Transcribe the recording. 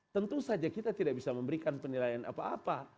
tentu saja kita tidak bisa memberikan penilaian apa apa